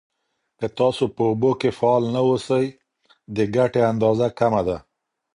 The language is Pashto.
که تاسو په اوبو کې فعال نه اوسئ، د ګټې اندازه کمه ده.